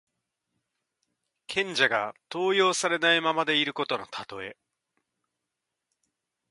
賢者が登用されないままでいることのたとえ。